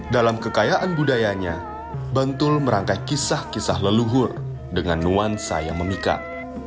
dalam kekayaan budayanya bantul merangkai kisah kisah leluhur dengan nuansa yang memikat